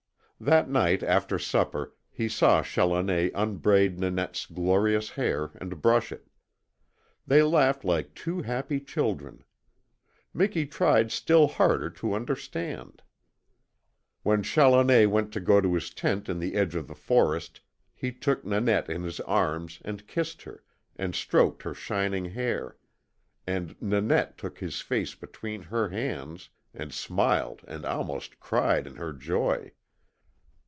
That night, after supper, he saw Challoner unbraid Nanette's glorious hair, and brush it. They laughed like two happy children. Miki tried still harder to understand. When Challoner went to go to his tent in the edge of the forest he took Nanette in his arms, and kissed her, and stroked her shining hair; and Nanette took his face between her hands and smiled and almost cried in her joy.